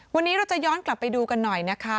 วันนี้เราจะย้อนกลับไปดูกันหน่อยนะคะ